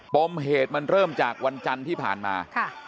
ปมเหตุมันเริ่มจากวันจันทร์ที่ผ่านมา